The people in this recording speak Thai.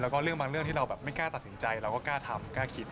แล้วก็เรื่องบางเรื่องที่เราแบบไม่กล้าตัดสินใจเราก็กล้าทำกล้าคิด